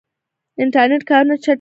انټرنیټ کارونه چټکوي